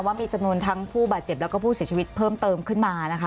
ว่ามีจำนวนทั้งผู้บาดเจ็บแล้วก็ผู้เสียชีวิตเพิ่มเติมขึ้นมานะคะ